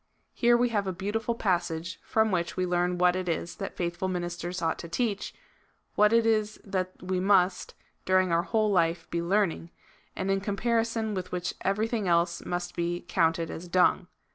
Here we have a beautiful passage, from which we learn what it is that faithful ministers ought to teach, what it is that we must, during our whole life, be learning, and in comparison with which everything else must be "counted asdung."